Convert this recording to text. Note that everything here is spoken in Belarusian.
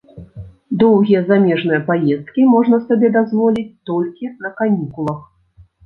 Доўгія замежныя паездкі можна сабе дазволіць толькі на канікулах.